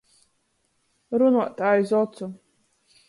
Runuot aiz ocu.